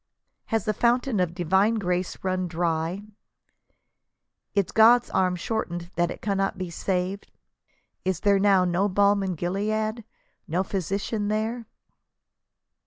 Has the foun tain of divine grace run dry T Is God's arm shortened that it cannot save ? Is there now no balm in Gilead, no physician there?